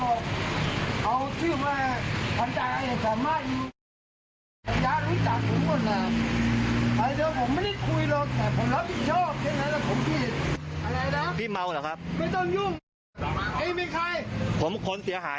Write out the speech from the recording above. โอเคเราก็รับผิดชอบจอบอย่างไรไก่ขนาดไหนจอบนะ